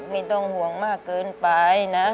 ไม่ต้องห่วงมากเกินไปนะ